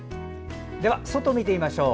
では、外を見てみましょう。